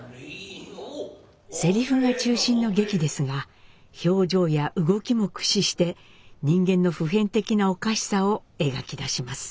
セリフが中心の劇ですが表情や動きも駆使して人間の普遍的なおかしさを描き出します。